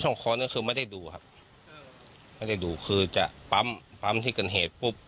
ห้องค้อนก็คือไม่ได้ดูครับไม่ได้ดูคือจะปั๊มปั๊มที่เกิดเหตุปุ๊บ